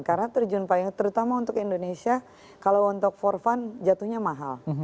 karena terjun payung terutama untuk indonesia kalau untuk for fun jatuhnya mahal